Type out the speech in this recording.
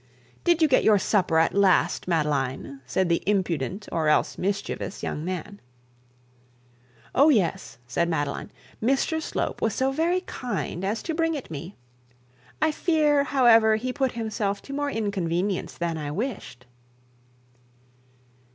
'Did you get your supper at last, Madeline?' said the impudent or else mischievous young man. 'Oh, yes,' said Madeline; 'Mr Slope was so very kind to bring it me. I fear, however, he put himself to more inconvenience than I wished.'